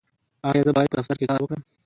ایا زه باید په دفتر کې کار وکړم؟